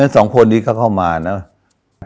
สองคนนี้ก็เข้ามานะ